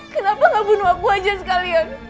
kenapa gak bunuh aku aja sekalian